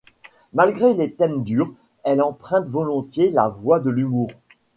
Malgré des thèmes durs, elle emprunte volontiers la voie de l'humour.